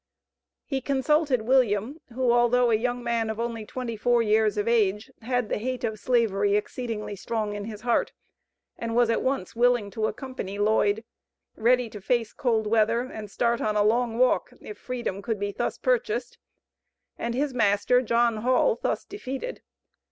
He consulted William, who, although a young man of only twenty four years of age, had the hate of slavery exceedingly strong in his heart, and was at once willing to accompany Lloyd ready to face cold weather and start on a long walk if freedom could be thus purchased, and his master, John Hall, thus defeated.